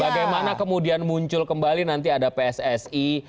bagaimana kemudian muncul kembali nanti ada pssi